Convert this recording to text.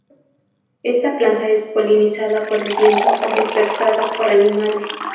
Esta planta es polinizada por el viento o dispersadas por animales.